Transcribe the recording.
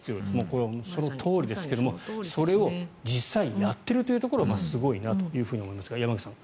これはそのとおりですがそれを実際にやっているというところがすごいなというふうに思いますが山口さん